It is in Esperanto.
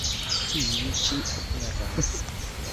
Tiu ĉi aperas.